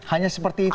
hanya seperti itu